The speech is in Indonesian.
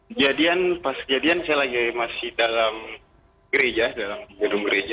kejadian pas kejadian saya lagi masih dalam gereja dalam gedung gereja